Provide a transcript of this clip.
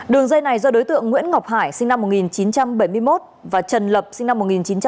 đường dây này do đối tượng nguyễn ngọc hải sinh năm một nghìn chín trăm bảy mươi một và trần lập sinh năm một nghìn chín trăm tám mươi